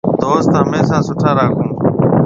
دوست هميشا سُٺا راکون۔